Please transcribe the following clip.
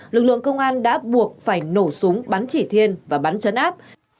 lực lượng công an đã buộc phải nổ súng bắn chỉ thiên và bắn chấn áp